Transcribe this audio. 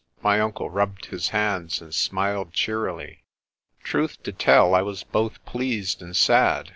My uncle rubbed his hands and smiled cheerily. Truth to tell I was both pleased and sad.